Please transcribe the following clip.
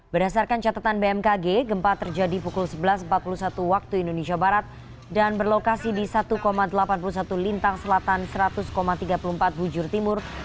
berdasarkan catatan bmkg gempa terjadi pukul sebelas empat puluh satu waktu indonesia barat dan berlokasi di satu delapan puluh satu lintang selatan seratus tiga puluh empat bujur timur